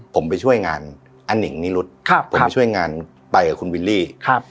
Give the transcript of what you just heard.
ผมไปช่วยงานอนิ่งนิรุธผมไปช่วยงานไปกับคุณวิลลี่